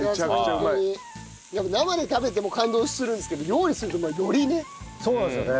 生で食べても感動するんですけど料理するとよりね。